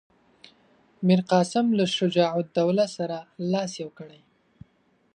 میرقاسم له شجاع الدوله سره لاس یو کړی.